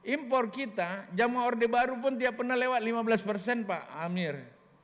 impor kita jamaah orde baru pun tidak pernah lewat lima belas persen pak amir